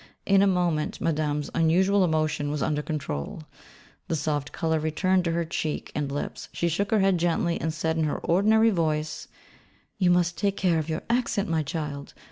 In a moment Madame's unusual emotion was under control: the soft colour returned to her cheek and lips, she shook her head gently, and said in her ordinary voice 'You must take care of your accent, my child.